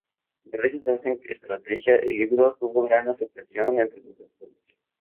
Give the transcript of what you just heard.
Gracias a esta estrategia, el libro tuvo gran aceptación entre los lectores.